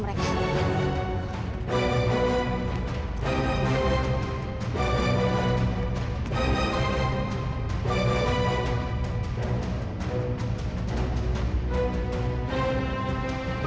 masrp baru ketemu bela